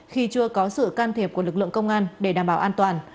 khi chưa có sự can thiệp của lực lượng công an để đảm bảo an toàn